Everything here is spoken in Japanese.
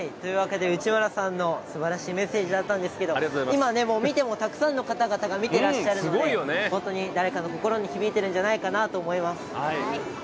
内村さんのすばらしいメッセージだったんですけど今、見てもたくさんの方々が見ていらっしゃるので本当に誰かの心に響いてるんじゃないかなと思います。